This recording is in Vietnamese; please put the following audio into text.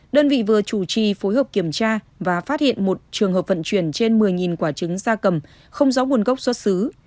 đơn vị vừa chủ trì phối hợp kiểm tra và phát hiện một trường hợp vận chuyển trên một mươi quả trứng da cầm không rõ nguồn gốc xuất xứ